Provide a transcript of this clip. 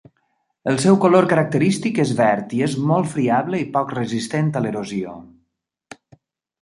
El seu color característic és verd i és molt friable i poc resistent a l'erosió.